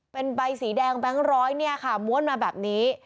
เป็นใบสีแดงแบงค์ร้อยเนี่ยค่ะม้วนมาแบบนี้